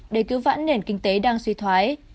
để cứu vãn nền kinh tế đang suy thoái